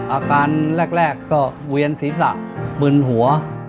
อาการแรกก็เวียนศีรษะมึนหัว